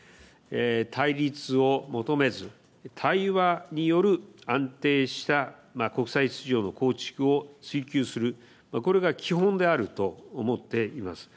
対立を求めず、対話による安定した国際秩序の構築を追求する、これが基本であると思っています。